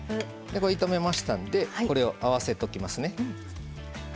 炒めましたので合わせておきますね。